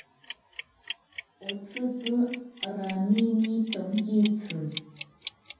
Otzitzi ramini tonkitzi